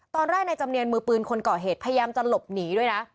ตอนแรกในจำเนียนมือปืนคนก่อเหตุพยายามจะหลบหนีด้วยนะ